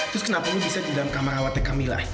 terus kenapa lo bisa di dalam kamar rawatnya kamila